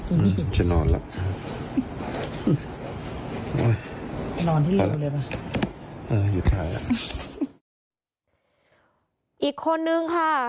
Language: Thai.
นอนที่หลุมเลยป่ะเอออยู่ท้ายแล้วอีกคนนึงค่ะ